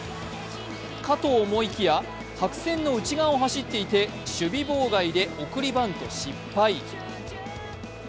かと思いきや、白線の内側を走っていて守備妨害で送りバント失敗。